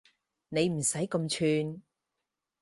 你唔使咁串